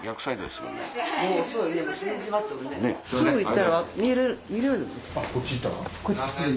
すぐ行ったら見れる。